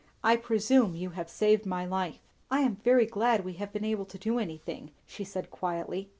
"I presume you have saved my life." "I am very glad we have been able to do anything," she said quietly.